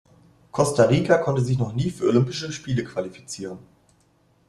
Costa Rica konnte sich noch nie für Olympische Spiele qualifizieren.